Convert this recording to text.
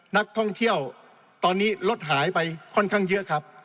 นักท่องเที่ยวตอนนี้รถหายไปค่อนข้างเยอะครับ